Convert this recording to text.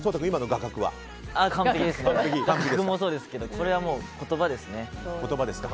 画角もそうですけどこれは言葉ですね。